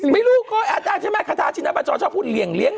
ไม่รู้ก็อาจารย์ใช่ไหมคาทาชินบาจรชอบพูดเหรียงเลี้ยง